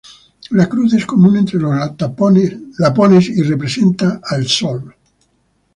La cruz es común entre los lapones y representa al Sol.